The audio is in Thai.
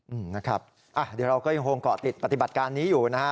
อืมนะครับอ่ะเดี๋ยวเราก็ยังคงเกาะติดปฏิบัติการนี้อยู่นะฮะ